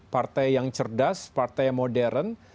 partai yang cerdas partai yang modern